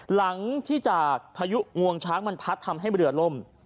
หลังจากที่จากพายุงวงช้างมันพัดทำให้เรือล่ม